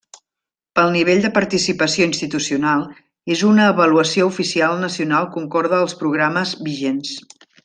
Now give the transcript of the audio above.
Pel nivell de participació institucional, és una avaluació oficial nacional concorde als programes vigents.